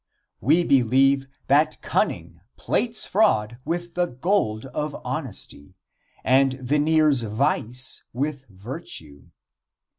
We believe that Cunning plates fraud with the gold of honesty, and veneers vice with virtue.